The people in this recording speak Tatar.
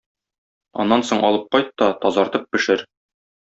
Аннан соң алып кайт та тазартып пешер.